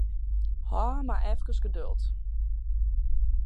Haw mar efkes geduld.